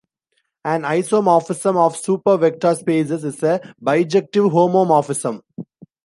An isomorphism of super vector spaces is a bijective homomorphism.